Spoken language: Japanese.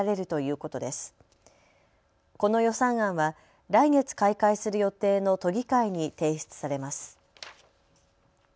この予算案は来月開会する予定の都議会に提出されます。